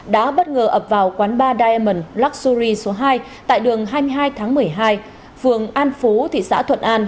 đã bất ngờ ập vào quán ba diamond luxury số hai tại đường hai mươi hai tháng một mươi hai phường an phú thị xã thuận an